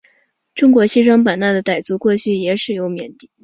中国西双版纳的傣族过去也使用缅历。